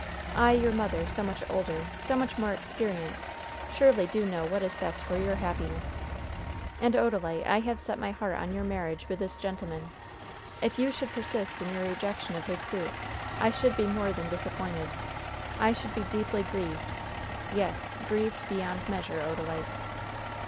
I, your mother, so much older, so much more experienced, surely do know what is best for your happiness. And, Odalite, I have set my heart on your marriage with this gentleman. If you should persist in your rejection of his suit I should be more than disappointed; I should be deeply grieved; yes, grieved beyond measure, Odalite."